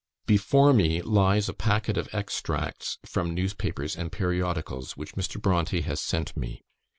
Before me lies a packet of extracts from newspapers and periodicals, which Mr. Brontë has sent me.